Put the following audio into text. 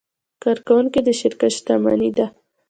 کارکوونکي د شرکت شتمني ده.